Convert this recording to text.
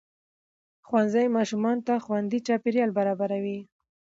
ښوونځی ماشومانو ته خوندي چاپېریال برابروي